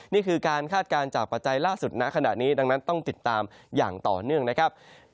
นี่คือการคาดการณ์จากปัจจัยล่าสุดณขณะนี้ดังนั้นต้องติดตามอย่างต่อเนื่องนะครับ